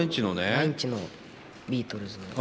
７インチのビートルズの。